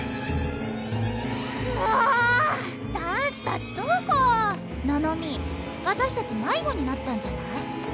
もう男子たちどこ？ののみ私たち迷子になったんじゃない？